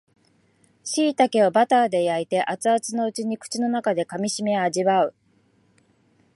しいたけをバターで焼いて熱々のうちに口の中で噛みしめ味わう